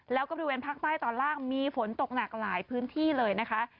แล้วก็บริเวณภาคใต้ตอนล่างมีฝนตกหนักหลายพื้นที่เลยนะคะ